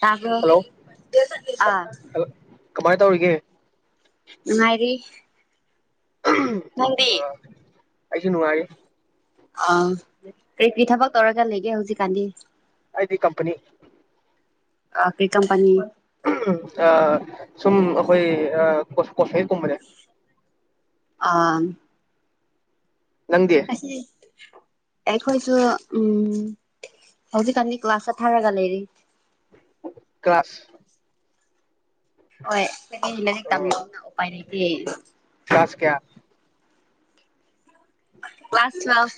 ꯇꯥꯕ꯭ꯔꯣ ꯍꯜꯂꯣ ꯑꯥ ꯀꯃꯥꯏꯅ ꯇꯧꯔꯤꯒꯦ ꯅꯨꯡꯉꯥꯏꯔꯤ ꯅꯪꯗꯤ ꯑ ꯑꯩꯁꯨ ꯅꯨꯡꯉꯥꯏꯔꯤ ꯑ ꯀꯔꯤ ꯀꯔꯤ ꯊꯕꯛ ꯇꯩꯔ ꯂꯩꯒꯦ ꯍꯧꯖꯤꯛꯀꯥꯟꯗꯤ ꯄꯅꯤ ꯑ ꯀꯩ ꯀꯝꯄꯅꯤ ꯁꯨꯝ ꯑꯩꯈꯣꯏ ꯀꯣꯁ ꯀꯣꯐꯦ ꯀꯨꯝꯕꯅꯦ ꯑꯥ ꯅꯪꯗꯤ ꯑꯁ ꯑꯩꯈꯣꯏꯁꯨ ꯎꯝ ꯍꯧꯖꯤꯛ ꯀꯥꯟꯗꯤ ꯀ꯭ꯂꯥꯁ ꯆꯠꯊꯔꯒ ꯂꯩꯔꯤ ꯀ꯭ꯂꯥꯁ ꯍꯣꯏ ꯗꯤ ꯂꯥꯏꯔꯤꯛ ꯇꯝꯃꯤꯅꯤꯅ ꯎꯄꯥꯏ ꯂꯩꯇꯦ ꯀ꯭ꯂꯥꯁ ꯀꯌꯥ ꯀ꯭ꯂꯥꯁ ꯂꯥꯁꯠ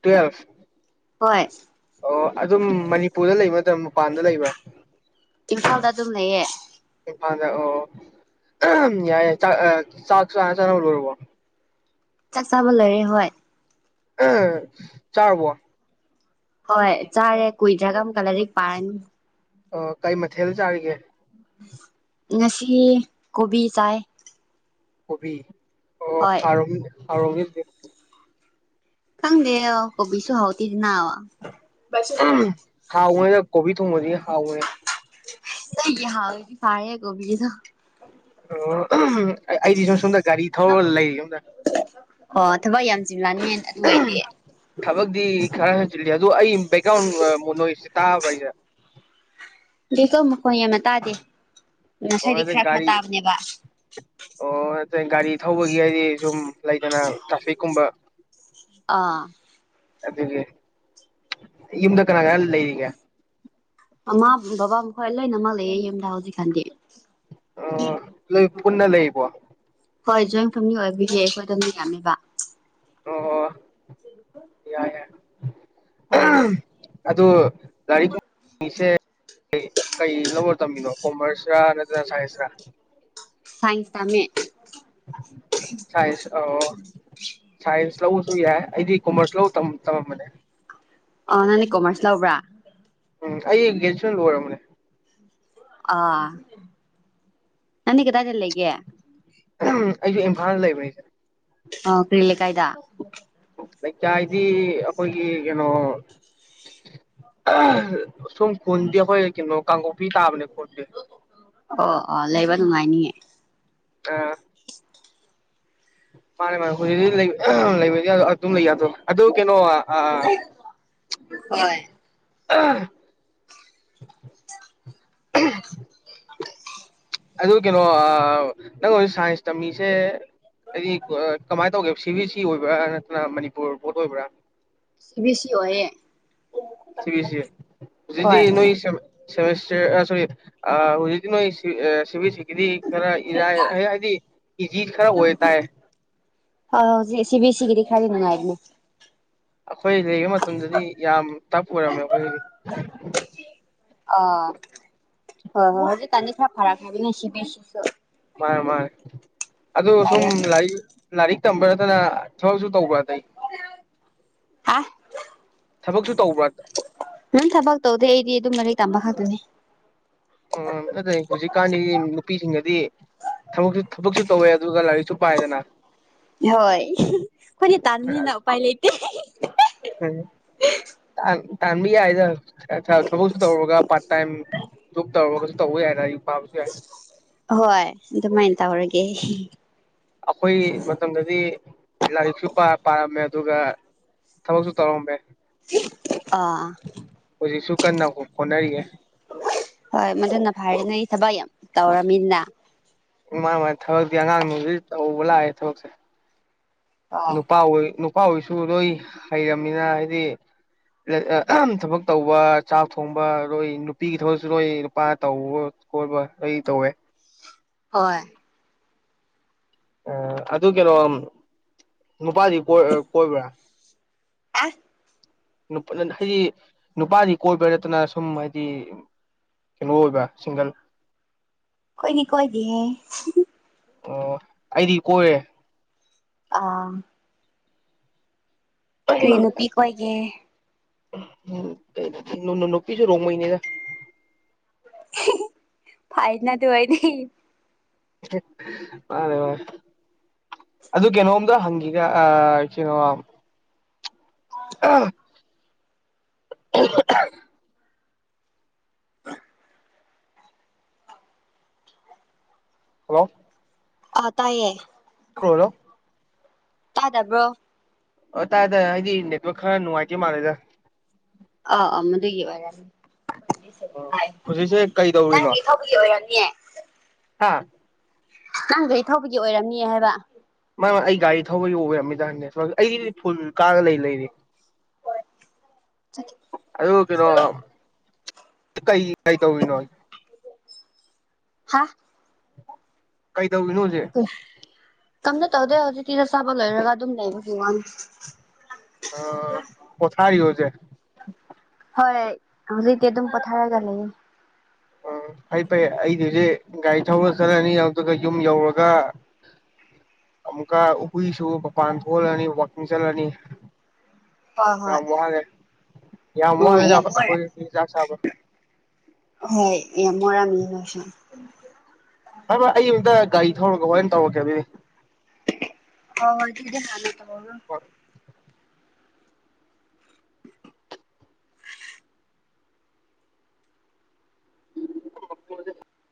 ꯇꯨꯋꯦꯜꯐ ꯍꯣꯏ ꯑꯣ ꯑꯗꯨꯝ ꯃꯅꯤꯄꯨꯔꯗ ꯂꯩꯕ ꯅꯠꯇ꯭ꯔ ꯃꯄꯥꯟꯗ ꯂꯩꯕ꯭ꯔꯥ ꯏꯝꯐꯥꯜꯗ ꯑꯗꯨꯝ ꯂꯩꯌꯦ ꯏꯝꯐꯥꯜꯗ ꯑꯣ ꯌꯥꯏ ꯆꯥꯛ ꯆꯥꯛ ꯆ ꯆꯅꯕ ꯂꯣꯏꯔꯕꯣ ꯆꯥꯛ ꯆꯕ ꯂꯣꯏꯔꯦ ꯍꯣꯏ ꯆꯥꯔꯕꯣ ꯍꯣꯏ ꯆꯥꯔꯦ ꯀꯨꯏꯗ꯭ꯔꯥꯒ ꯑꯃꯨꯛꯀ ꯂꯥꯏꯔꯤꯛ ꯄꯥꯔꯅꯤ ꯑꯣ ꯀꯩ ꯃꯊꯦꯜ ꯆꯥꯔꯤꯒꯦ ꯉꯁꯤ ꯀꯣꯕꯤ ꯆꯥꯏ ꯀꯣꯕꯤ ꯑꯣ ꯍꯣꯏ ꯍꯥꯎꯔꯝꯅꯤ ꯐꯥꯔꯕꯤ ꯈꯪꯗꯦ ꯀꯣꯕꯤꯁꯨ ꯍꯥꯎꯇꯦ ꯅꯥ ꯋꯥ ꯊ ꯃꯗꯤ ꯍꯥꯥꯎꯅꯦ ꯍꯥꯎ ꯐꯥ ꯀꯣꯕꯤꯒꯤꯗ ꯑꯣ ꯑꯩꯗꯤ ꯁꯣ ꯁꯣꯝꯗ ꯒꯥꯔꯤ ꯊꯧꯔꯒ ꯂꯩꯔꯤ ꯁꯣꯝꯗ ꯑꯣ ꯊꯕꯛ ꯌꯥꯝ ꯆꯤꯜꯂꯅꯤ ꯑꯗꯨ ꯑꯣꯏꯔꯗꯤ ꯊꯕꯛꯇꯛꯇꯤ ꯈꯔ ꯍꯟ ꯑꯗꯨ ꯑꯦꯛꯒ꯭ꯔꯥꯎꯟ ꯇꯥꯍ ꯄꯩꯁꯥ ꯗꯀꯣꯀꯣꯌꯥ ꯃ ꯇꯗꯦ ꯑꯣ ꯑꯗꯨ ꯒꯥꯔꯤ ꯑꯣ ꯅ ꯒꯥꯔꯤ ꯊꯧꯕꯒꯤ ꯍꯥꯏꯗꯤ ꯁꯨꯝ ꯂꯩꯗꯅ ꯇ꯭ꯔꯥꯐꯤꯛ ꯀꯨꯝꯕ ꯑꯥ ꯑꯗꯨꯒꯤ ꯌꯨꯝꯗ ꯀꯅꯥ ꯀꯅꯥ ꯂꯩꯔꯤꯉꯦ ꯃꯃꯥ ꯕꯕꯥ ꯃꯈꯣꯏ ꯂꯣꯏꯅꯃꯛ ꯂꯩ ꯌꯨꯝꯗ ꯍꯧꯖꯤꯛꯀꯥꯟꯗꯤ ꯑ ꯂ ꯄꯨꯟꯅ ꯂꯩꯕꯣ ꯍꯣꯏ ꯖꯣꯏꯟ ꯐꯦꯃꯤꯂꯤ ꯑꯣꯏꯕꯤꯌꯦ ꯑꯩꯈꯣꯏ ꯑꯗꯨꯝꯗꯤ ꯌꯥꯅꯤꯕ ꯑꯣ ꯌꯥ ꯍꯣꯏ ꯍꯣꯏ ꯑ ꯂꯥꯏꯔꯤꯛꯁꯦ ꯀꯩ ꯂꯧꯔ ꯇꯝꯃꯤꯅꯣ ꯀꯃꯔꯁꯤꯌꯥ ꯆꯁ ꯁꯥꯏꯁ ꯇꯃꯦ ꯁ ꯑ ꯁꯥꯏꯟꯁ ꯂꯧꯁꯨ ꯌꯥꯏ ꯑꯩꯗꯤ ꯀꯣꯃꯔꯁ ꯂ ꯇꯃꯦ ꯃꯅꯦ ꯑ ꯅꯪꯅꯦ ꯀꯣꯃꯔꯁ ꯂꯕ꯭ꯔꯥ ꯎꯝ ꯑꯩ ꯒ꯭ꯔꯦꯖꯨꯌꯦꯁꯟ ꯑꯣꯏꯣꯏꯔꯔꯕꯅꯦ ꯑ ꯅꯅꯤ ꯀꯗꯗ ꯂꯩꯒꯦ ꯑꯩꯁꯨ ꯏꯝꯐꯥꯜ ꯂꯩꯕꯅꯤꯁꯦ ꯑꯣ ꯀꯔꯤꯂ ꯀꯥꯏꯗ ꯂꯩꯀꯥꯏ ꯍꯥꯏꯗꯤ ꯑꯩꯈꯣꯏꯒꯤ ꯀꯩꯅꯣ ꯁꯨꯝ ꯀꯣꯟꯗꯤꯌꯥ ꯀ ꯅꯣ ꯀꯥꯡꯒꯣꯛꯄꯤꯤ ꯇꯥꯕꯅꯦ ꯈꯣꯠꯇꯠꯇꯦ ꯑꯣ ꯑꯣ ꯂꯩꯕ ꯅꯨꯡꯉꯥꯏꯅꯤꯉꯦ ꯑꯥ ꯃꯥꯅꯦ ꯃꯥꯅꯦ ꯍꯧ ꯂꯩ ꯑꯗꯨꯝ ꯂꯩꯗꯣ ꯑꯗꯨ ꯀꯩꯅꯣ ꯑ ꯍꯣꯏ ꯑꯗꯨ ꯀꯩꯅꯣ ꯅꯪ ꯍꯧꯖꯤꯛ ꯁꯥꯏꯟꯁ ꯇꯝꯃꯤꯁꯦ ꯍꯥꯏꯗꯤ ꯀꯃꯥꯏꯅ ꯇꯧꯒꯦ ꯁꯤ ꯕꯤ ꯑꯦꯁ ꯁꯤ ꯑꯣꯏꯕ꯭ꯔꯥ ꯅꯠꯇꯅ ꯃꯅꯤꯄꯨꯔ ꯕꯣꯠ ꯑꯣꯏꯕ꯭ꯔꯥ ꯁꯤ ꯕꯤ ꯁꯤ ꯑꯣꯏꯌꯦ ꯁꯤꯕꯤꯁ ꯏꯗꯤ ꯍꯣꯏ ꯅꯣꯏꯁ ꯁꯣꯔꯤ ꯑꯗꯤ ꯅꯣꯏ ꯁꯤꯕꯤ ꯗꯤ ꯈꯔ ꯏꯔꯥꯏ ꯍꯥꯏꯗꯤ ꯏꯖꯤꯠ ꯈꯔ ꯑꯣꯏ ꯇꯥꯏ ꯍ ꯍ ꯁꯤ ꯕꯤ ꯑꯦꯁ ꯁꯤꯒꯤꯗꯤ ꯈꯔꯤꯅꯅꯨꯡꯉꯥꯏꯕꯅꯦ ꯑꯩꯈꯣꯏ ꯂꯩꯕ ꯃꯇꯝꯗꯗꯤ ꯌꯥꯝ ꯇꯞ ꯑꯣꯏꯔꯝꯃꯦ ꯑꯩꯈꯣꯏꯒꯤꯗꯤ ꯑꯣ ꯍ ꯍ ꯍꯧꯖꯤ ꯇꯥꯟꯗꯤ ꯈꯔ ꯐꯥꯔꯥ ꯈꯥꯏꯕꯤꯅ ꯁꯤꯕꯤꯁꯤꯁꯨ ꯃꯥꯅꯦ ꯃꯥꯅꯦ ꯑꯗꯨ ꯁꯨꯝ ꯂꯥꯏꯔꯛ ꯂꯔꯤꯛ ꯂꯔꯤꯛ ꯇꯝꯕꯔꯅ ꯊꯕꯛꯁꯨ ꯇꯧꯕ꯭ꯔꯥꯇꯩꯩ ꯍꯥ ꯊꯕꯛꯁꯨ ꯇꯧꯕ꯭ꯔꯥ ꯅꯪ ꯊꯕꯛ ꯇꯧꯗꯦ ꯑꯩꯗꯤ ꯑꯗꯨꯝ ꯃꯔꯩ ꯇꯝꯕ ꯈꯇꯅꯤ ꯎꯝ ꯑꯗꯨꯠꯇꯩ ꯍꯧꯖꯤꯛꯀꯥꯟꯗꯤ ꯅꯨꯄꯤꯁꯤꯡꯗꯗꯤ ꯊꯕꯛꯁꯨ ꯊꯕꯛꯁꯨ ꯇꯧꯋꯦ ꯑꯗꯨꯒ ꯂꯥꯏꯔꯤꯛꯁꯨ ꯄꯥꯏꯗꯅ ꯍꯣꯏ ꯑꯩꯈꯣꯏꯅꯤ ꯇꯥꯥꯟꯃꯤꯅ ꯎꯄꯥꯏ ꯂꯩꯇ ꯇꯃꯤ ꯌꯥꯗ ꯊꯕꯛꯁꯨ ꯇꯧꯔꯨꯔꯒ ꯄꯥꯔꯠ ꯇꯥꯏꯝ ꯖꯣꯕ ꯇꯧꯔꯨꯔꯒꯁꯨ ꯇꯧꯕ ꯌꯥꯏ ꯑꯛ ꯄꯥꯕꯁꯨ ꯌꯥꯏ ꯍꯣꯏ ꯑꯗꯨꯃꯥꯏꯅ ꯇꯧꯔꯒꯦ ꯑꯩꯈꯣꯏ ꯃꯇꯝꯗꯗꯤ ꯂꯥꯏꯔꯤꯛꯁꯨ ꯄꯥꯔꯝꯃꯦ ꯑꯗꯨꯒ ꯊꯕꯛꯁꯨ ꯇꯧꯔꯝꯃꯦ ꯑꯥ ꯄ ꯁꯨ ꯀꯅꯥ ꯐꯣꯟꯅꯔꯤꯌꯦꯦ ꯍꯣꯏ ꯃꯗꯨꯅ ꯐꯔꯤ ꯅ ꯑꯩ ꯊꯕꯛ ꯌꯥꯝ ꯇꯧꯔꯃꯤꯅ ꯃꯥꯥꯏ ꯃꯥꯥꯏ ꯊꯕꯛꯇꯤ ꯑꯉꯥꯡꯗꯨ ꯍꯧꯖꯤꯛ ꯇꯧꯕ ꯂꯥꯛꯑꯦ ꯊꯕꯛꯁꯦ ꯑꯣ ꯅꯨꯄꯥ ꯑꯣꯏ ꯅꯨꯄꯥ ꯅꯨꯄꯥ ꯍꯣꯏꯁꯨ ꯂꯣꯏ ꯍꯩꯔꯕꯅꯤꯅ ꯍꯥꯏꯗꯤ ꯊꯕꯛ ꯇꯧꯕ ꯆꯥꯛ ꯊꯣꯡꯕ ꯂꯣꯏ ꯅꯨꯄꯤꯒꯤ ꯊꯕꯛꯁꯨ ꯂꯣꯏ ꯅꯨꯄꯥꯅ ꯇꯧꯕ ꯈꯣꯠꯕ ꯂꯣꯏ ꯇꯧꯋꯦ ꯍꯣꯏꯣꯏ ꯑ ꯑꯗꯨ ꯀꯩꯅꯣ ꯅꯨꯄꯥꯗꯤ ꯀꯣꯏꯕ꯭ꯔꯥ ꯑꯁ ꯍꯥꯏꯗꯤ ꯅꯨꯄꯥꯗꯤ ꯀꯣꯏꯕ꯭ꯔꯥ ꯅꯠꯇꯅ ꯁꯨꯝ ꯍꯥꯏꯗꯤ ꯀꯩꯅꯣ ꯑꯣꯏꯕ ꯁꯤꯡꯒꯜ ꯀꯣꯏꯅꯤ ꯀꯣꯏꯅꯤ ꯑꯣ ꯑꯩꯗꯤ ꯀꯣꯏꯔꯦ ꯑꯥ ꯀꯔꯤ ꯅꯨꯄꯤ ꯀꯣꯏꯒꯦ ꯀ ꯏꯅ ꯅꯣꯛꯄꯤꯁꯨ ꯔꯣ ꯃꯅꯦꯗ ꯐꯥꯏꯠꯅ ꯇ ꯑꯣꯏꯗꯤ ꯃꯥꯦ ꯃꯥꯦ ꯑꯗꯨ ꯀꯩꯅꯣꯝꯇ ꯍꯪꯈꯤꯒ ꯀꯩꯅꯣ ꯑꯥ ꯑ ꯍꯜꯂꯣ ꯑ ꯇꯥꯏꯌꯦ ꯍꯣꯂꯣ ꯇꯥ ꯇꯕ꯭ꯔꯣ ꯑꯣ ꯇꯥꯏꯦ ꯇꯥꯏ ꯍꯥꯏꯗꯤ ꯏꯟꯌꯥ ꯈꯔ ꯅꯨꯡꯉꯥꯏꯇꯦ ꯃꯥꯂꯦꯗ ꯑ ꯑꯃꯗꯒꯤꯔꯅꯤ ꯑꯣ ꯍꯥꯏ ꯍꯧꯖꯤꯛꯁꯦ ꯀꯩꯗꯧꯔꯤꯅꯣ ꯅꯪꯒꯤ ꯊꯧꯕꯒꯤ ꯑꯣꯏꯔꯅꯤꯌꯦ ꯍꯥꯥ ꯅꯪꯗꯩ ꯊꯧꯕꯒꯤ ꯑꯣꯏꯔꯝꯅꯤ ꯍꯥꯏꯕ [unintelligible] ꯑꯩ ꯒꯥꯔꯤ ꯊꯧꯕꯒꯤ ꯑꯣꯔꯝꯃꯤꯗ ꯅꯦꯠꯋꯛ ꯑꯩꯗꯤ ꯐꯨꯜ ꯀꯥꯔꯒ ꯂꯩ ꯂꯩꯔꯤ꯫ ꯑꯗꯨ ꯀꯩꯅꯣ꯫ ꯀꯩ ꯀꯩ ꯇꯧꯔꯤꯅꯣ꯫ ꯍꯥꯥ꯫ ꯀꯩꯗꯧꯔꯤꯅꯣ ꯍꯧꯖꯤꯛ ꯀꯝꯇ ꯇꯧꯗꯦ ꯍꯧꯖꯤꯛꯇꯤ ꯆꯥꯛ꯫ ꯆꯥꯕ ꯂꯣꯏꯔꯒ ꯑꯗꯨꯝ ꯂꯩꯕꯒꯤ ꯋꯥꯅꯦ꯫ ꯑ ꯄꯣꯊꯥꯔꯤꯔꯣ ꯍꯧꯖꯤꯛ꯫ ꯍꯣꯏ ꯍꯧꯖꯤꯛꯗꯤ ꯑꯗꯨꯝ ꯄꯊꯔꯒ ꯂꯩꯑꯦ꯫ ꯎꯝ ꯐꯩ ꯐꯩ ꯑꯩꯗꯨꯗꯤ ꯒꯥꯔꯤ ꯊꯧꯔ ꯆꯠꯂꯅꯤ ꯑꯗꯨꯒ ꯌꯨꯝ ꯌꯧꯔꯒ ꯑꯃꯨꯛꯀ ꯍꯨꯏꯁꯨ ꯃꯄꯥꯟ ꯊꯣꯛꯍꯜꯂꯅꯤ ꯋꯥꯛꯀꯤꯡ ꯆꯠꯂꯅꯤ꯫ ꯍꯣꯏ ꯌꯥꯝ ꯋꯥꯔꯦ ꯌꯥꯝ ꯍꯣꯏ ꯎꯝ ꯋꯥꯝꯅꯦꯗ ꯌꯥꯝ ꯑ ꯋꯥꯔꯦ ꯑꯈꯣꯏꯒꯤ ꯆꯥꯛ ꯆꯥꯕ꯫ ꯍꯣꯏ ꯌꯥꯝ ꯋꯥꯔꯝꯅꯤ ꯅꯣꯏꯁꯨ꯫ ꯍꯥꯏꯕ ꯑꯩ ꯑꯃꯨꯇ ꯒꯥꯔꯤ ꯊꯧꯔꯒ ꯍꯣꯔꯦꯟ ꯇꯧꯔꯛꯀꯦ ꯑꯗꯨꯗꯤ꯫ ꯍꯣꯍꯣꯏꯗꯨꯗꯤ ꯍꯥꯟꯅ꯫ [unintelligible] [inaudible]